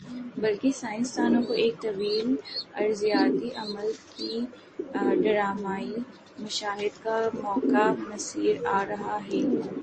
بلکہ سائنس دانوں کو ایک طویل ارضیاتی عمل کی ڈرامائی مشاہدی کا موقع میسر آرہا ہی۔